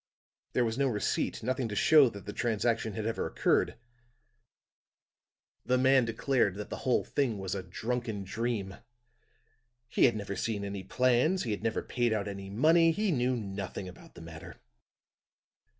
There was no receipt, nothing to show that the transaction had ever occurred. The man declared that the whole thing was a drunken dream. He had never seen any plans; he had never paid out any money; he knew nothing about the matter.